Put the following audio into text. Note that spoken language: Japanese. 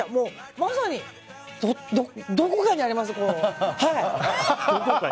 まさにどこかにあります。